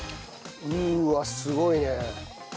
うわあすごいね。